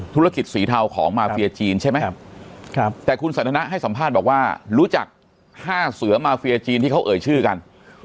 ธุรกิจสีเทาของมาเฟียจีนใช่ไหมแต่คุณสันทนะให้สัมภาษณ์บอกว่ารู้จัก๕เสือมาเฟียจีนที่เขาเอ่ยชื่อกัน